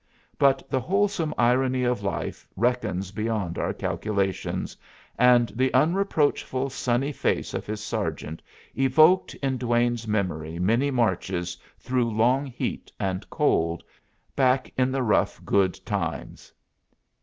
But the wholesome irony of life reckons beyond our calculations; and the unreproachful, sunny face of his Sergeant evoked in Duane's memory many marches through long heat and cold, back in the rough, good times.